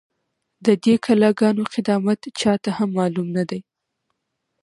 ، د دې کلا گانو قدامت چا ته هم معلوم نه دی،